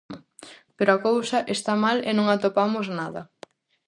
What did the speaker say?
Pero a cousa está mal e non atopamos nada.